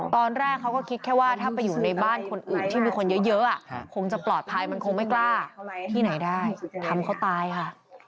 ตอนแรกเขาก็คิดแค่ว่าถ้าไปอยู่ในบ้านคนอื่นที่มีคนเยอะคงจะปลอดภัยมันคงไม่กล้าที่ไหนได้ทำเขาตายค่ะ